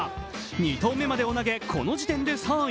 ２投目までを投げ、この時点で３位。